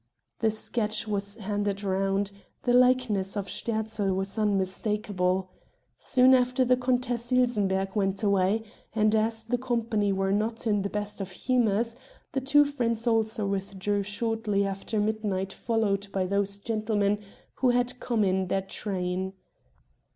The sketch was handed round; the likeness of Sterzl was unmistakable. Soon after the Countess Ilsenbergh went away, and as the company were not in the best of humors the two friends also withdrew shortly after midnight followed by those gentlemen who had come in their train.